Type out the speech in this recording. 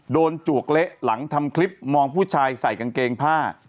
จวกเละหลังทำคลิปมองผู้ชายใส่กางเกงผ้า